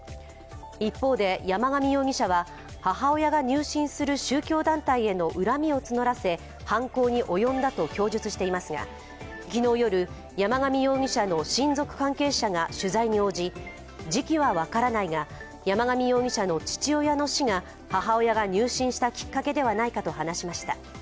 一方で山上容疑者は母親が入信する宗教団体への恨みを募らせ犯行に及んだと供述していますが昨日夜、山上容疑者の親族関係者が取材に応じ、時期は分からないが、山上容疑者の父親の死が母親が入信したきっかけではないかと話しました。